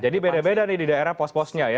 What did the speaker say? jadi beda beda nih di daerah pos posnya ya